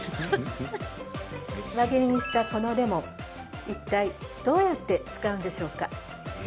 輪切りにしたこのレモンいったい、どうやって使うんでしょうか？